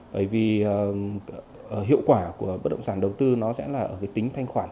bởi vì hiệu quả của bất động sản đầu tư nó sẽ là ở cái tính thanh khoản